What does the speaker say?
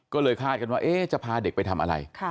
ก็เลยคาดกันว่าจะพาเด็กไปทำอะไร